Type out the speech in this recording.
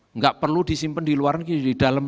enggak perlu disimpan di luar di dalam